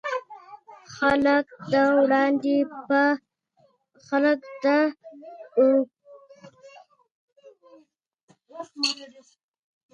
پښتانه د افغانستان د قومونو حامیان دي.